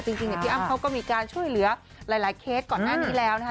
จริงพี่อ้ำเขาก็มีการช่วยเหลือหลายเคสก่อนหน้านี้แล้วนะคะ